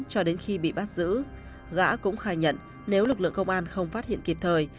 cho đến khi bị bắt giữ gã cũng khai nhận nếu lực lượng công an không phát hiện kịp thời